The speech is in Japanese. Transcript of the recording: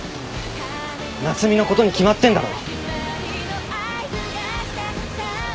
夏海のことに決まってんだろ。